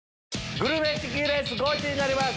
グルメチキンレースゴチになります！